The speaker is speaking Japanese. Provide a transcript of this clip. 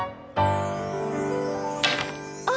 あ！